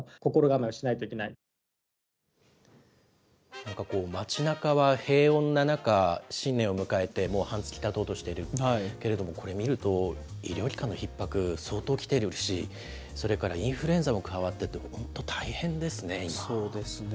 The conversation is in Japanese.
なんかこう、街なかは平穏な中、新年を迎えてもう半月たとうとしているけれども、これ見ると、医療機関のひっ迫、相当きているし、それからインフルエンザも加わっそうですね。